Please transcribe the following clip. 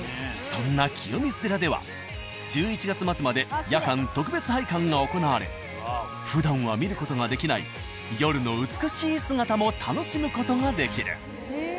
そんな清水寺では１１月末まで夜間特別拝観が行われふだんは見る事ができない夜の美しい姿も楽しむ事ができる。